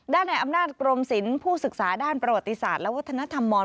ในอำนาจกรมศิลป์ผู้ศึกษาด้านประวัติศาสตร์และวัฒนธรรมมร